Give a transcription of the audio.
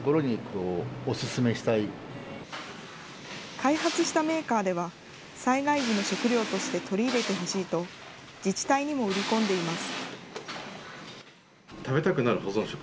開発したメーカーでは、災害時の食料として取り入れてほしいと、自治体にも売り込んでいます。